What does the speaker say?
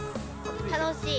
楽しい！